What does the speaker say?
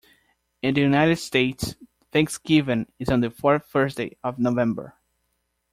In the United States, Thanksgiving is on the fourth Thursday of November.